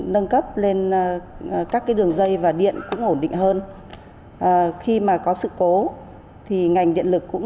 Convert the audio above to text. nâng cấp lên các cái đường dây và điện cũng ổn định hơn khi mà có sự cố thì ngành điện lực cũng